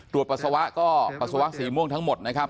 ปัสสาวะก็ปัสสาวะสีม่วงทั้งหมดนะครับ